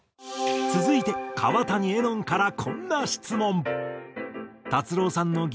続いて川谷絵音からこんな質問。